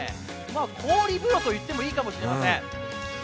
氷風呂と言ってもいいかもしれません。